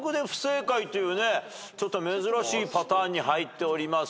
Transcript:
珍しいパターンに入っております。